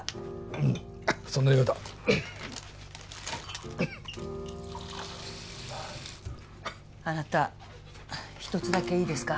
うんそのようだあなたひとつだけいいですか？